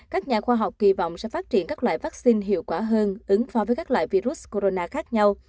các nhà khoa học kỳ vọng sẽ phát triển các loại vaccine hiệu quả hơn ứng phó với các loại virus corona khác nhau